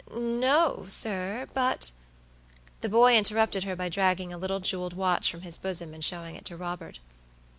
"No, sir, but" The boy interrupted her by dragging a little jeweled watch from his bosom and showing it to Robert.